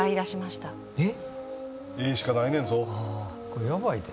Ａしかないねんぞ